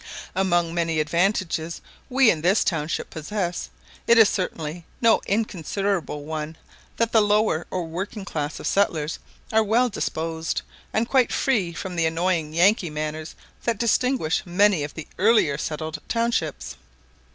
Among many advantages we in this township possess, it is certainly no inconsiderable one that the lower or working class of settlers are well disposed, and quite free from the annoying Yankee manners that distinguish many of the earlier settled townships.